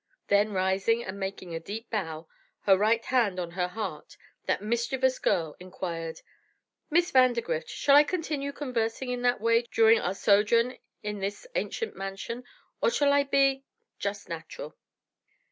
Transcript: Then rising and making a deep bow, her right hand on her heart, that mischievous girl inquired: "Miss Vandergrift, shall I continue conversing in that way during our sojourn in this ancient mansion, or shall I be just natural?"